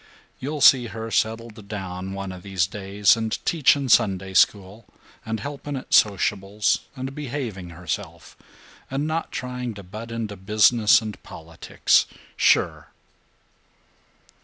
You'll see her settled down one of these days, and teaching Sunday School and helping at sociables and behaving herself, and not trying to butt into business and politics. Sure!"